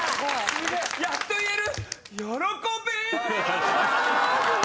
やっと言える！